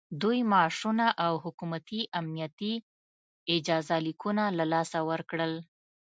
دوی معاشونه او حکومتي امنیتي اجازه لیکونه له لاسه ورکړل